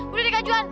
udah deh kak johan